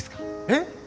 えっ？